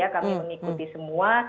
kami mengikuti semua